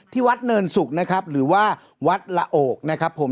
ที่วัดเนินสุกนะครับหรือว่าวัดละโอกนะครับผม